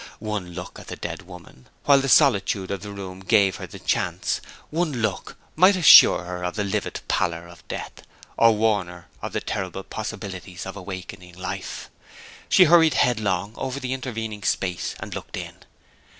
One look at the dead woman, while the solitude in the room gave her the chance one look might assure her of the livid pallor of death, or warn her of the terrible possibilities of awakening life. She hurried headlong over the intervening space, and looked in.